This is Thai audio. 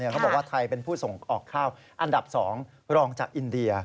เขาบอกว่าไทยเป็นผู้ส่งออกข้าวอันดับ๒รองจากอินเดีย